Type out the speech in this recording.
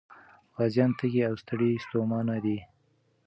غازيان تږي او ستړي ستومانه دي.